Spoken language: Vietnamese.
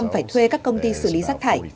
bốn mươi ba phải thuê các công ty xử lý rác thải